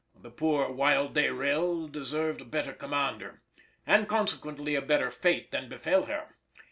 The poor Wild Dayrell deserved a better commander, and consequently a better fate than befell her.